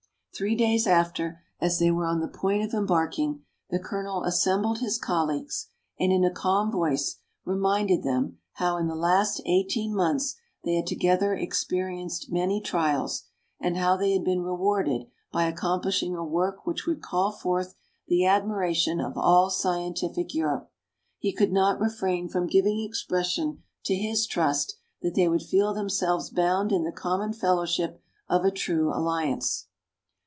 Three days after, as they were on the point of embarking, the Colonel assembled his colleagues, and in a calm voice reminded them how in the last eighteen months they had together experienced many trials, and how they had been rewarded by accomplishing a work which would call forth the admiration of all scientific Europe. He could not refrain from giving expression to his trust that they would feel themselves bound in the common fellowship of a true alliance.